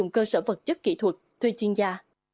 cơ sở vật chất kỹ thuật thuê chuyên gia